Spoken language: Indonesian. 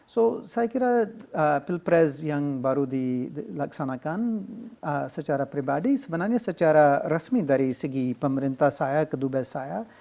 so saya kira pilpres yang baru dilaksanakan secara pribadi sebenarnya secara resmi dari segi pemerintah saya kedubes saya